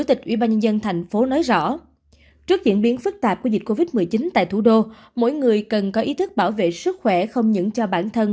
trước diễn biến rõ của dịch covid một mươi chín tại thủ đô mỗi người cần có ý thức bảo vệ sức khỏe không những cho bản thân